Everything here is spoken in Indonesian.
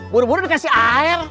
buru buru dikasih air